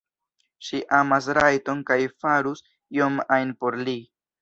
Ŝi amas Rajton kaj farus ion ajn por li.